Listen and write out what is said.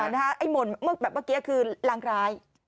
มนต์แบบเมื่อกี้ก็คือรางกาย